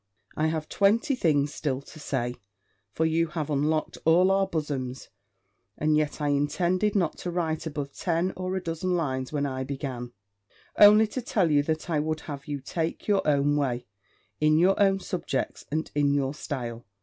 I have twenty things still to say; for you have unlocked all our bosoms. And yet I intended not to write above ten or a dozen lines when I began; only to tell you, that I would have you take your own way, in your subjects, and in your style.